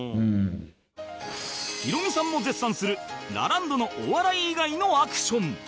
ヒロミさんも絶賛するラランドのお笑い以外のアクション